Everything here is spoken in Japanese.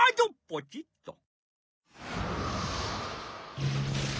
ポチっと。